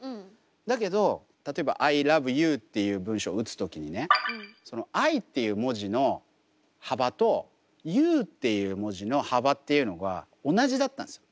だけど例えば「Ｉｌｏｖｅｙｏｕ」っていう文章打つ時にねその「Ｉ」っていう文字の幅と「ｙｏｕ」っていう文字の幅っていうのが同じだったんですよ。